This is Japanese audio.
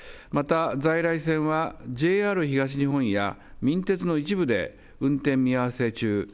また、在来線はＪＲ東日本や民鉄の一部で運転見合わせ中。